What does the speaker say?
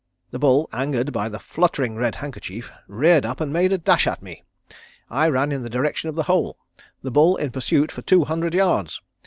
The bull, angered by the fluttering red handkerchief, reared up and made a dash at me. I ran in the direction of the hole, the bull in pursuit for two hundred yards.